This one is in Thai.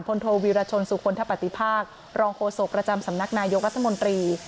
โทวีรชนสุคลทปฏิภาครองโฆษกประจำสำนักนายกรัฐมนตรี